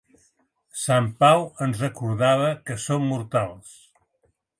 Sant Pau ens recordava que som mortals.